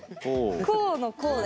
こうのこうね。